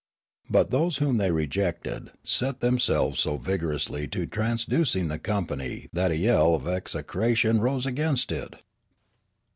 But those whom they re jected set themselves so vigorously to traducing the company that a yell of execration rose against it.